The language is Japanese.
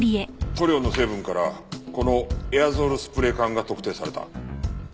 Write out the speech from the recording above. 塗料の成分からこのエアゾールスプレー缶が特定された。